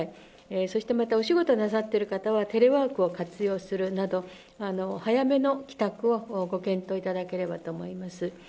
そしてまた、お仕事をなさっている方は、テレワークを活用するなど、早めの帰宅をご検討いただければと思います。